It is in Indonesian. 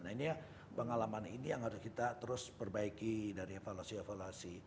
nah ini pengalaman ini yang harus kita terus perbaiki dari evaluasi evaluasi